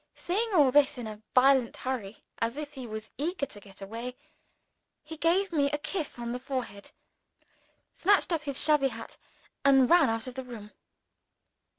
Saying all this in a violent hurry, as if he was eager to get away, he gave me a kiss on the forehead, snatched up his shabby hat, and ran out of the room.